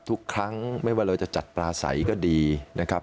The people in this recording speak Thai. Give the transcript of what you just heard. ทุกครั้งไม่ว่าเราจะจัดปลาใสก็ดีนะครับ